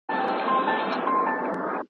که استاد مسوده ونه ګوري، تېروتني به پاته سي.